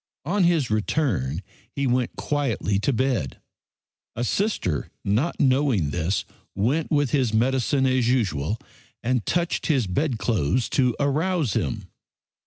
On his return he went quietly to bed. A sister, not knowing this, went with his medicine as usual and touched his bedclothes to arouse him.